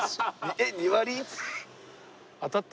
えっ２割？